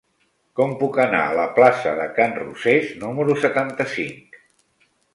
Com puc anar a la plaça de Can Rosés número setanta-cinc?